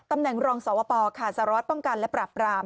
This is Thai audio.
ตำแหน่งรองสวปขาสรอดป้องกันและปราบราม